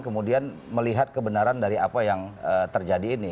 kemudian melihat kebenaran dari apa yang terjadi ini